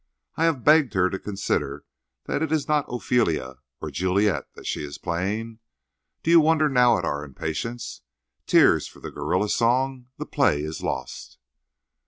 I have begged her to consider that it is not Ophelia or Juliet that she is playing. Do you wonder now at our impatience? Tears for the gorilla song! The play is lost!"